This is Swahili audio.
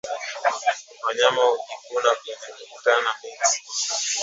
Wanyama hujikuna kwenye kuta na miti